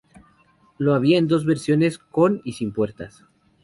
Lo había en dos versiones, con y sin puertas.